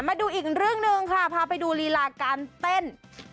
มาดูอีกเรื่องหนึ่งค่ะพาไปดูลีลาการเต้น